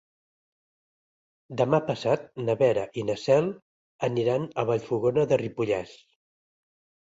Demà passat na Vera i na Cel aniran a Vallfogona de Ripollès.